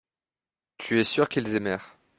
tu es sûr qu'ils aimèrent.